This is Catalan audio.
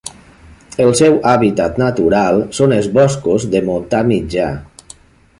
El seu hàbitat natural són els boscos de montà mitjà.